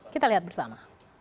kita lihat bersama